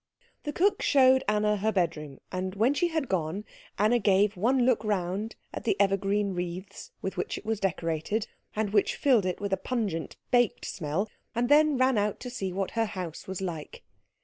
The cook showed Anna her bedroom, and when she had gone, Anna gave one look round at the evergreen wreaths with which it was decorated and which filled it with a pungent, baked smell, and then ran out to see what her house was like.